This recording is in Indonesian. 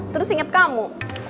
terus inget kamu